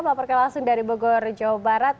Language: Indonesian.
mampir ke langsung dari bogor jawa barat